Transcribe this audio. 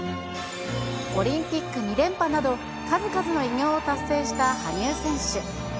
オリンピック２連覇など、数々の偉業を達成した羽生選手。